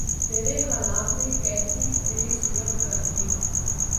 تیرے حالات نے کیسی تری صورت کر دی